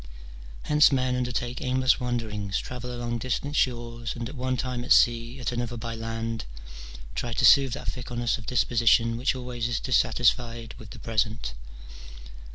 Hence men undertake aimless wanderings, travel along distant shores, and at one time at sea, at another by land, try to soothe that fickleness of disposition which always is dissatisfied with the present.